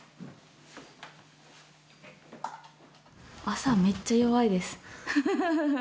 朝めっちゃ弱いです。ハハハ。